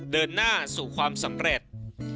เดินหน้าสู่ความสำเร็จ